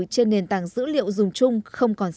trên nền tảng dữ liệu dùng chung không còn